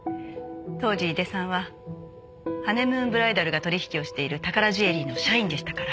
当時井出さんはハネムーンブライダルが取引をしている宝ジュエリーの社員でしたから。